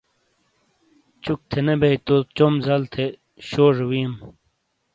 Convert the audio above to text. چوک تھے نے بیئی تو چوم زَل تھے شوجے ویئم۔